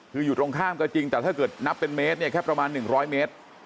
คืออยู่ตรงข้ามก็จริงแต่ถ้าเกิดนับเป็นเมตรเนี่ยแค่ประมาณ๑๐๐เมตร